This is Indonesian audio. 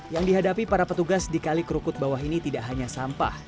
yang dihadapi para petugas di kali kerukut bawah ini tidak hanya sampah